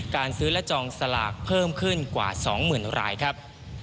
การซื้อและจองสลากเพิ่มขึ้นกว่า๒๐๐๐รายครับ